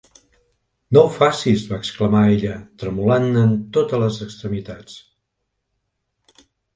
"No ho facis!" va exclamar ella tremolant en totes les extremitats.